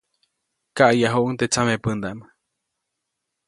Kaʼyajuʼuŋ teʼ tsamepändaʼm.